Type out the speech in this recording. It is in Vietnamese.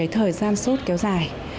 thời gian sốt kéo dài